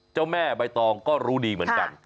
เจ้าแม่ใบตองก็รู้ดีเหมือนกัน